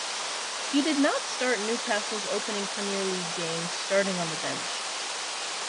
He did not start Newcastle's opening Premier League games, starting on the bench.